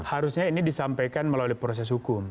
harusnya ini disampaikan melalui proses hukum